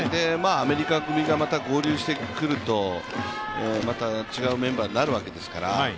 アメリカ組がまた合流してくるとまた違うメンバーになるわけですから。